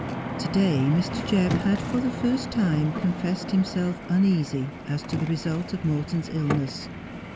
To day Mr. Jebb had for the first time confessed himself uneasy as to the result of Morton's illness.